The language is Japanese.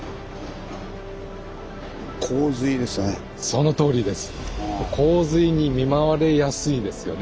そのとおりです。